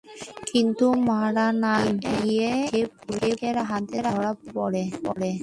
কিন্তু মারা না গিয়ে সে পুলিশের হাতে ধরা পড়ে।